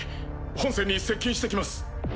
本船に接近してきます。